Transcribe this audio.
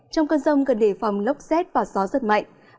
trong cơn rông cần đề phòng lốc xét và gió giật mạnh